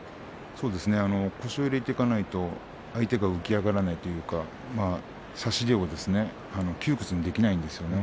腰を入れていかないと相手が浮き上がらないというか差し手を窮屈にできないんですよね。